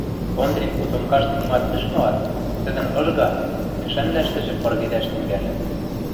Ондрин котомкашты нимат ӹш моат, тӹдӹн ыжга: кӹшӓнвлӓштӹжӹ пыргедӓш тӹнгӓльӹ.